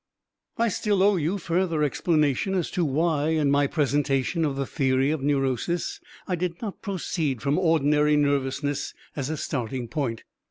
I still owe you further explanation as to why, in my presentation of the theory of neurosis, I did not proceed from ordinary nervousness as a starting point.